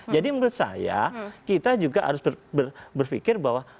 jadi menurut saya kita juga harus berpikir bahwa